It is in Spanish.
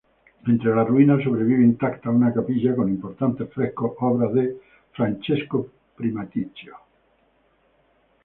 Entre las ruinas, sobrevive intacta una capilla con importantes frescos, obra de Francesco Primaticcio.